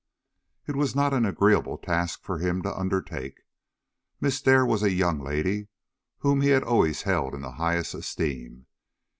It was not an agreeable task for him to undertake. Miss Dare was a young lady whom he had always held in the highest esteem.